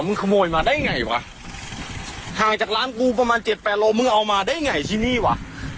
ขโมยมาได้ไงวะห่างจากร้านกูประมาณเจ็ดแปดโลมึงเอามาได้ไงที่นี่วะ